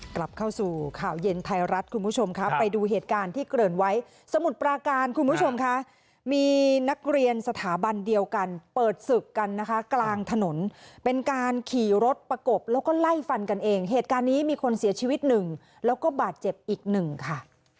กลับเข้าสู่ข่าวเย็นไทยรัฐคุณผู้ชมค่ะไปดูเหตุการณ์ที่เกริ่นไว้สมุทรปราการคุณผู้ชมค่ะมีนักเรียนสถาบันเดียวกันเปิดศึกกันนะคะกลางถนนเป็นการขี่รถประกบแล้วก็ไล่ฟันกันเองเหตุการณ์นี้มีคนเสียชีวิตหนึ่งแล้วก็บาดเจ็บอีกหนึ่งค่ะ